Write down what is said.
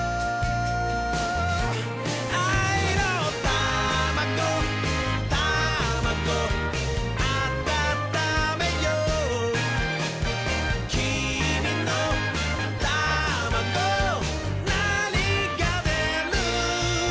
「あいのタマゴタマゴあたためよう」「きみのタマゴなにがでる？」